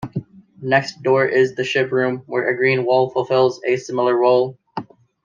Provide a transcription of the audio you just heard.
Next door is the ship room where a green wall fulfills a similar role.